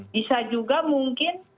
disa juga mungkin